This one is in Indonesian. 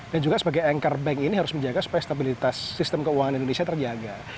dan juga sebagai anchor bank ini harus menjaga supaya stabilitas sistem keuangan indonesia terjaga